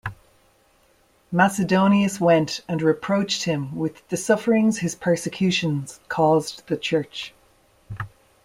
Macedonius went and reproached him with the sufferings his persecutions caused the church.